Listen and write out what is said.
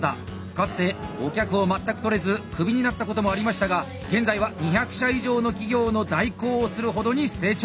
かつてお客を全くとれずくびになったこともありましたが現在は２００社以上の企業の代行をするほどに成長。